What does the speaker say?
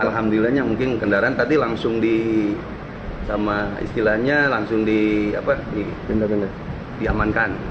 alhamdulillah mungkin kendaraan tadi langsung di sama istilahnya langsung di apa di amankan